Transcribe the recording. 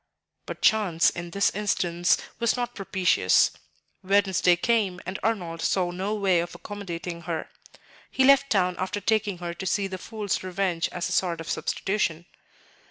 But chance in this instance was not propitious. Wednesday came, and Arnold saw no way of accommodating her. He left town after taking her to see the "Fool's Revenge" as a sort of substitution.